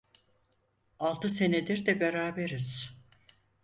Altı senedir de beraberiz…